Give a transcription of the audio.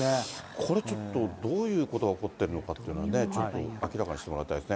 これちょっと、どういうことが起こってるかというのはね、ちょっと明らかにしてもらいたいですね。